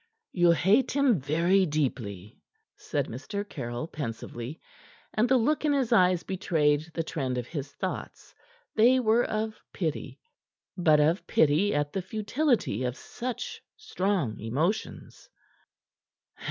"You hate him very deeply," said Mr. Caryll pensively, and the look in his eyes betrayed the trend of his thoughts; they were of pity but of pity at the futility of such strong emotions.